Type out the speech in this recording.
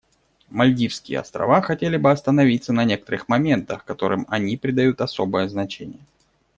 Мальдивские Острова хотели бы остановиться на некоторых моментах, которым они придают особое значение.